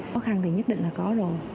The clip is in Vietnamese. khó khăn thì nhất định là có rồi